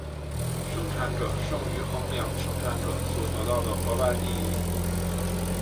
生产者剩余衡量生产者所得到的额外利益。